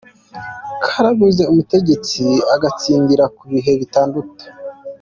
Karabuze umutegetsi agatsindira ku bihe bitandatu.